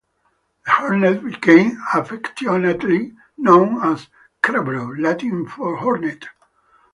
The Hornet became affectionately known as "Crabro," latin for hornet.